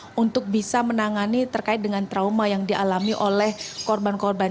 untuk bisa menangani terkait dengan trauma yang dialami oleh korban korban